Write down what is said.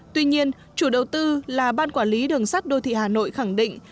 tuy nhiên chủ đầu tư là ban quản lý đường sắt đô thị hà nội khẳng định